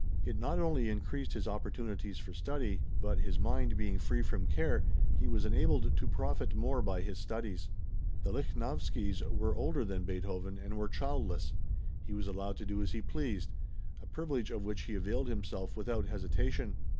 It not only increased his opportunities for study, but, his mind being free from care, he was enabled to profit more by his studies. The Lichnowskys were older than Beethoven and were childless. He was allowed to do as he pleased; a privilege of which he availed himself without hesitation.